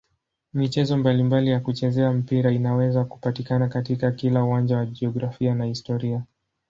Michezo mbalimbali ya kuchezea mpira inaweza kupatikana katika kila uwanja wa jiografia na historia.